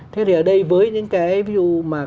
thế thì ở đây với những cái ví dụ mà